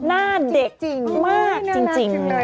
หน้าเด็กมากจริง